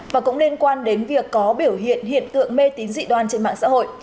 và cũng liên quan đến việc có biểu hiện hiện tượng mê tín dị đoan trên mạng xã hội